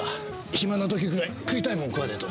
暇な時ぐらい食いたいもん食わねえと。